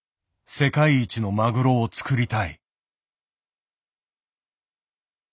世界一のマグロを作りたい。